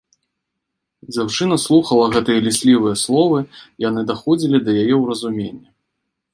Дзяўчына слухала гэтыя ліслівыя словы, яны даходзілі да яе ўразумення.